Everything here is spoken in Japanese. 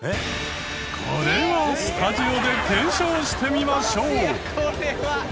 これはスタジオで検証してみましょう。